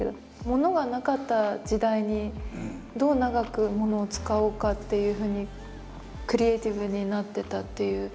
ものがなかった時代にどう長くものを使おうかっていうふうにクリエーティブになってたっていう。